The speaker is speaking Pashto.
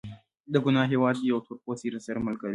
د ګانا هېواد یو تورپوستی راسره ملګری و.